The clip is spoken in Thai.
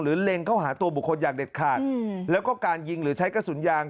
เล็งเข้าหาตัวบุคคลอย่างเด็ดขาดแล้วก็การยิงหรือใช้กระสุนยาง